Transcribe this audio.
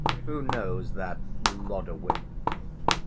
Who knows that Lodowick?